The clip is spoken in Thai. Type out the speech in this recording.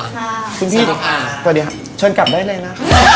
สวัสดีค่ะเชิญกลับได้เลยนะ